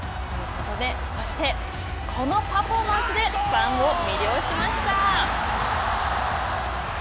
そして、このパフォーマンスで、ファンを魅了しました。